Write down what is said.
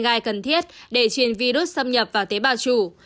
gai cần thiết để truyền virus xâm nhập vào tế bào chủ